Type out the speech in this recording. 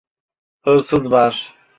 Hırsız var!